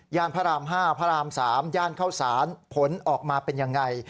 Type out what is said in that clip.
พระราม๕พระราม๓ย่านเข้าสารผลออกมาเป็นยังไง